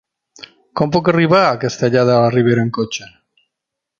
Com puc arribar a Castellar de la Ribera amb cotxe?